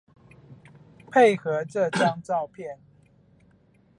配合這張照片